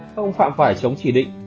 không phạm phải chống chỉ định